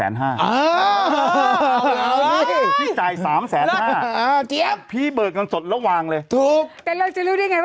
นี่นะอีเตี๊ยบนะอีเตี๊ยบเรียบดูเห็นไหม